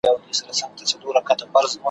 داړي ولوېدې د ښکار کیسه سوه پاته ,